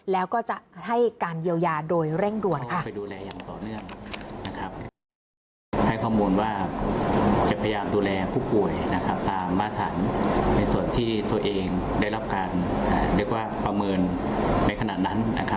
แล้วก็จะให้การเยียวยาโดยเร่งด่วนค่ะ